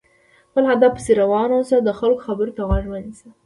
خپل هدف پسې روان اوسه، د خلکو خبرو ته غوږ مه نيسه!